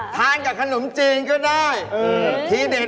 ทานกับขนมจีนก็ได้